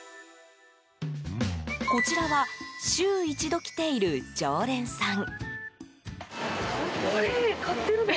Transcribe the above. こちらは週１度来ている常連さん。